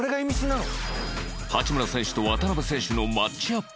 八村選手と渡邊選手のマッチアップ